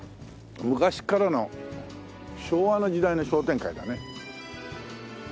昔っからの昭和の時代の商店街だね。